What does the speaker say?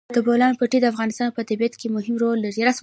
د بولان پټي د افغانستان په طبیعت کې مهم رول لري.